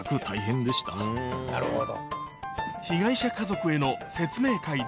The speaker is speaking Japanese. なるほど。